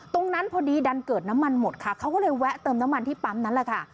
ตรงนั้นพอดีดันเกิดน้ำมันหมดค่ะเขาก็เลยแวะเติมน้ำมันที่ปั๊มนั้นแหละค่ะ